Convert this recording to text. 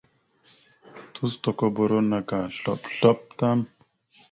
Tusotokoboro naka slop slop tan.